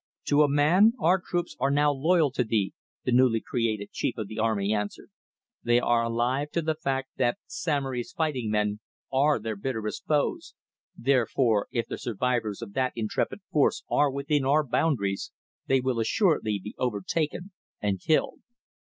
"To a man our troops are now loyal to thee," the newly created chief of the army answered. "They are alive to the fact that Samory's fighting men are their bitterest foes, therefore if the survivors of that intrepid force are within our boundaries, they will assuredly be overtaken and killed."